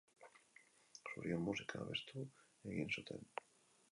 Zurien musika beztu egin zuten.